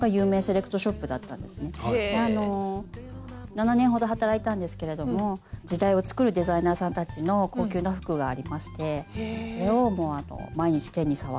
７年ほど働いたんですけれども時代をつくるデザイナーさんたちの高級な服がありまして毎日手に触って。